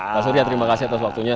pak surya terima kasih atas waktunya